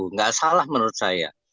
tidak salah menurut saya